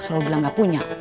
selalu bilang gak punya